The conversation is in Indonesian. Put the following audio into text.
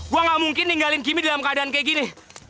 gue gak mungkin ninggalin kimi dalam keadaan kayak gini